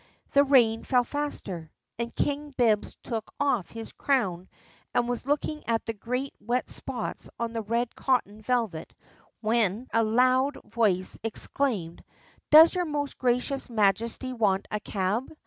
The rain fell faster, and King Bibbs took off his crown and was looking at the great wet spots on the red cotton velvet when a loud voice exclaimed: "Does your most gracious Majesty want a cab?"